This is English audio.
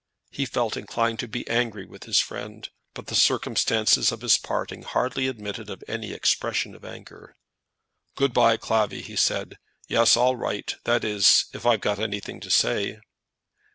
He felt inclined to be angry with his friend, but the circumstances of his parting hardly admitted of any expression of anger. "Good by, Clavvy," he said. "Yes; I'll write; that is, if I've got anything to say."